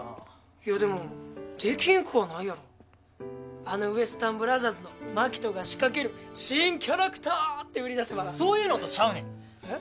いやでもできんくはないやろ「あのウエスタンブラザーズのマキトが仕掛ける新キャラクター」って売り出せばそういうのとちゃうねんえっ？